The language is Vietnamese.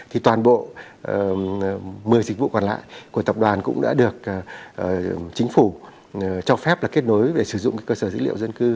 thì toàn bộ một mươi dịch vụ còn lại của tập đoàn cũng đã được chính phủ cho phép là kết nối để sử dụng cơ sở dữ liệu dân cư